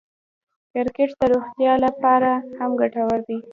کرکټ د روغتیا له پاره هم ګټور دئ.